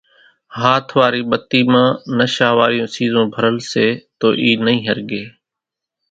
ھاٿ واري ٻتي مان نشا واريون سيزون ڀرل سي تو اِي نئي ۿرڳي،